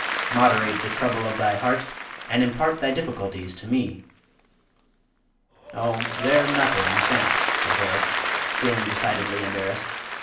"Moderate the trouble of thy heart, and impart thy difficulties to me." "Oh, they're nothing, thanks," said Horace, feeling decidedly embarrassed.